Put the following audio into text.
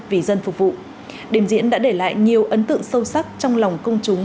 vì dân phục vụ đêm diễn đã để lại nhiều ấn tượng sâu sắc trong lòng công chúng